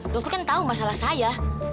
dokter kan tahu masalah saya